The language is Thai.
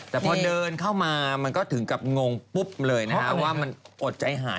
แต่พอเดินเข้ามามันก็ถึงกับงงปุ๊บเลยนะฮะว่ามันอดใจหาย